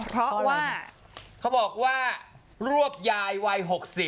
เพราะว่าเขาบอกว่ารวบยายวัย๖๐